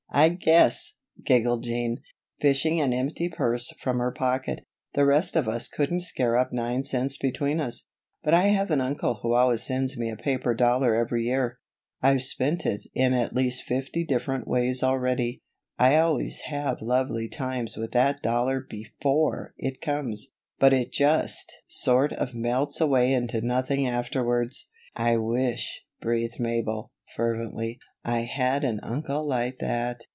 "I guess," giggled Jean, fishing an empty purse from her pocket, "the rest of us couldn't scare up nine cents between us; but I have an uncle who always sends me a paper dollar every year. I've spent it in at least fifty different ways already. I always have lovely times with that dollar before it comes, but it just sort of melts away into nothing afterwards." "I wish," breathed Mabel, fervently, "I had an uncle like that."